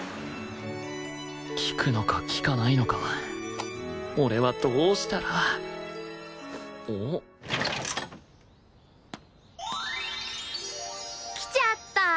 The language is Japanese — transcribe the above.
聞くのか聞かないのか俺はどうしたらん？来ちゃったー！